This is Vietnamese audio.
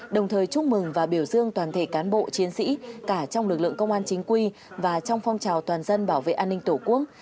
đồng thời chúc mừng và biểu dương toàn thể cán bộ chiến sĩ cả trong lực lượng công an chính quy và trong phong trào toàn dân bảo vệ an ninh tổ quốc